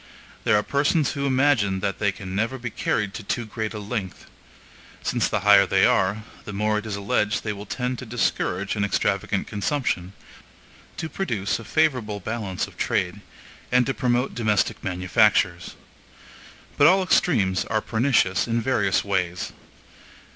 There are persons who imagine that they can never be carried to too great a length; since the higher they are, the more it is alleged they will tend to discourage an extravagant consumption, to produce a favorable balance of trade, and to promote domestic manufactures. But all extremes are pernicious in various ways.